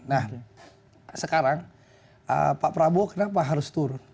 nah sekarang pak prabowo kenapa harus turun